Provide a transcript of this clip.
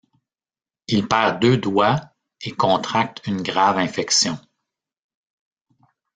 Il perd deux doigts et contracte une grave infection.